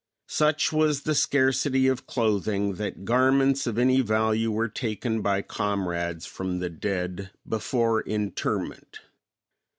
Such was the scarcity of clothing that garments of any value were taken by comrades from the dead before interment.